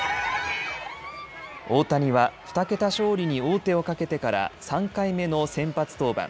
大谷は２桁勝利に王手をかけてから３回目の先発登板。